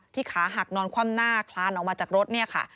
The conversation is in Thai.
ขาหักนอนคว่ำหน้าคลานออกมาจากรถเนี่ยค่ะ